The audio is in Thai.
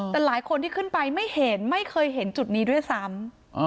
แต่หลายคนที่ขึ้นไปไม่เห็นไม่เคยเห็นจุดนี้ด้วยซ้ำ